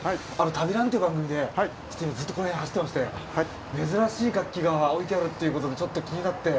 「旅ラン」っていう番組でちょっと今ずっとこの辺走ってまして珍しい楽器が置いてあるということでちょっと気になって。